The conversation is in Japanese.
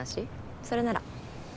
それなら。